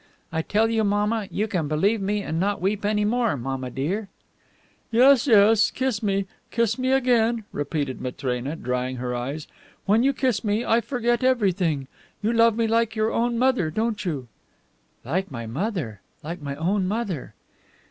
I tell you, mamma; you can believe me and not weep any more, mamma dear." "Yes, yes; kiss me. Kiss me again!" repeated Matrena, drying her eyes. "When you kiss me I forget everything. You love me like your own mother, don't you?" "Like my mother. Like my own mother."